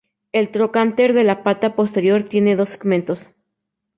El trocánter de la pata posterior tiene dos segmentos.